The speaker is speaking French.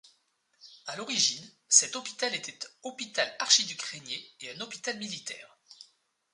À l'origine, cet hôpital était hôpital Archiduc-Rainier et un hôpital miliaitre.